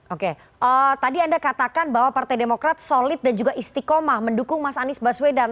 oke tadi anda katakan bahwa partai demokrat solid dan juga istiqomah mendukung mas anies baswedan